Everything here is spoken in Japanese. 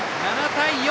７対４。